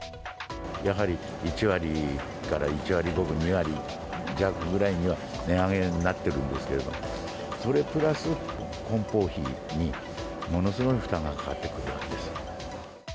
やはり１割から１割５分、２割弱くらいには値上げになってるんですけど、それプラスこん包費にものすごい負担がかかってくるんです。